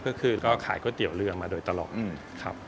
ก็คือก็ขายก๋วยเตี๋ยวเรือมาโดยตลอดครับ